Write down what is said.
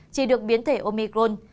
chỉ được biến thể omicron